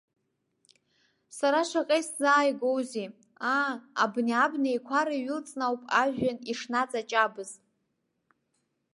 Сара шаҟа исзааигәоузеи, аа, абни абнеиқәара иҩылҵны ауп ажәҩан ишнаҵаҷабыз.